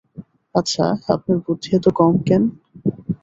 আচ্ছা আপনার বুদ্ধি এত কম কেন?